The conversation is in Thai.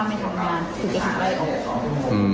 ถ้าไม่ทำงานคุณจะถูกไล่ออก